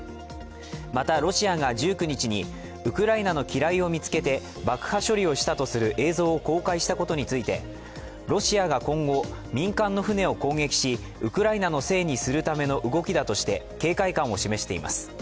またロシアが１９日にウクライナの機雷を見つけて爆破処理をしたとする映像を公開したことについてロシアが今後、民間の船を攻撃し、ウクライナのせいにするための動きだとして警戒感を示しています。